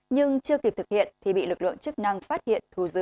nhưng chưa kịp thực hiện thì bị lực lượng chức năng phát hiện thu giữ